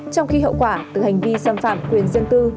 trong khi hậu quả từ hành vi xâm phạm quyền dân tư